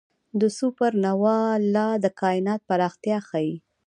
د سوپرنووا Ia د کائنات پراختیا ښيي.